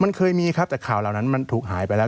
มันเคยมีครับแต่ข่าวเหล่านั้นมันถูกหายไปแล้ว